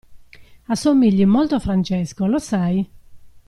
Assomigli molto a Francesco, lo sai?